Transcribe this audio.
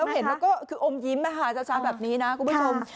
เราเห็นแล้วก็คืออมยิ้มนะคะเจ้าชาติแบบนี้นะคุณผู้ชม